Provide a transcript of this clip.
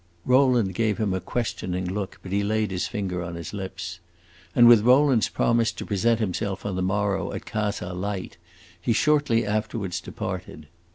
Rowland gave him a questioning look, but he laid his finger on his lips. And with Rowland's promise to present himself on the morrow at Casa Light, he shortly afterwards departed.